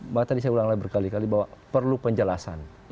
maka tadi saya ulang lagi berkali kali bahwa perlu penjelasan